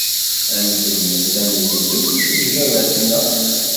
Ad nkemmel tanezzut n baba-tneɣ.